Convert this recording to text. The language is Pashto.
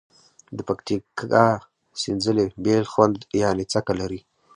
د پکتیکا سینځلي بیل خوند یعني څکه لري.